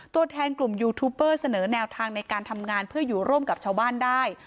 ตัวแทนกลุ่มยูทูปเปอร์เสนอแนวทางในการทำงานเพื่ออยู่ร่วมกับชาวบ้านได้